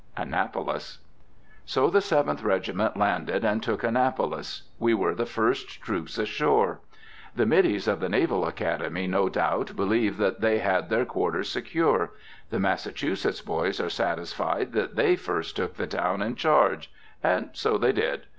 ANNAPOLIS. So the Seventh Regiment landed and took Annapolis. We were the first troops ashore. The middies of the Naval Academy no doubt believe that they had their quarters secure. The Massachusetts boys are satisfied that they first took the town in charge. And so they did.